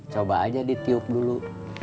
coba aja ditiup dulu